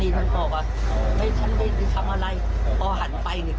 ในบ้านมีทองไหมประมาณกี่บาทยาย